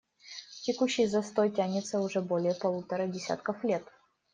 Текущий застой тянется уже более полутора десятков лет.